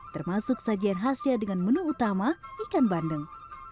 termasuk sajian khasnya dengan menu utama ikan bandeng